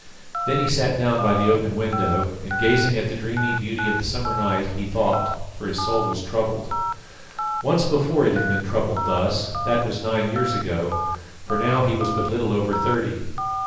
Then he sat down by the open window, and gazing at the dreamy beauty of the summer night, he thought, for his soul was troubled. Once before it had been troubled thus; that was nine years ago, for now he was but little over thirty.